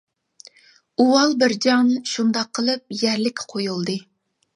ئۇۋال بىر جان شۇنداق قىلىپ يەرلىككە قۇيۇلدى.